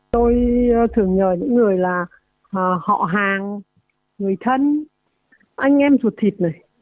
tôi thường nhờ những người là họ hàng người thân anh em ruột thịt này